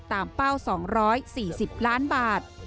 เป้า๒๔๐ล้านบาท